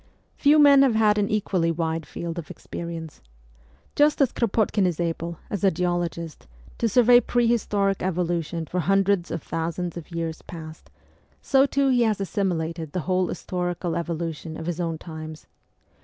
Few men have had an equally wide field of ex perience. Just as Kropotkin is able, as a geologist, to survey prehistoric evolution for hundreds of thousands of years past, so too he has assimilated the whole historical evolution of his own times.